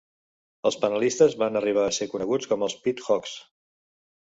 Els panelistes van arribar a ser coneguts com els Pit Hogs.